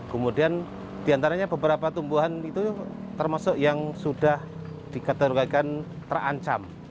kemudian di antaranya beberapa tumbuhan itu termasuk yang sudah dikaterakan terancam